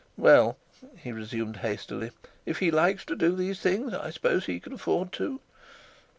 "Well," he resumed hastily, "if he likes to do these things, I s'pose he can afford to.